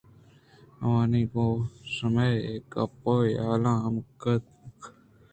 آوانی گون ءَ شہمیں گپ ءُحالے ہم نہ کُت اَنت